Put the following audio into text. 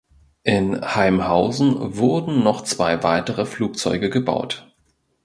In Haimhausen wurden noch zwei weitere Flugzeuge gebaut.